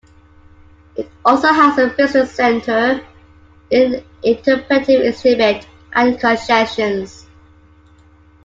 It also has a visitor center, an interpretive exhibit and concessions.